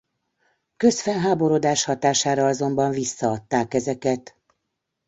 Közfelháborodás hatására azonban visszaadták ezeket.